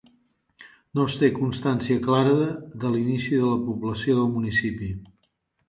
No es té constància clara de l'inici de la població del municipi.